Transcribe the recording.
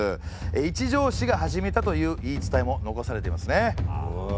一条氏が始めたという言い伝えも残されていますね。